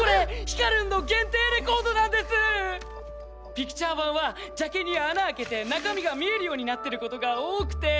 ピクチャー盤はジャケに穴開けて中身が見えるようになってることが多くて。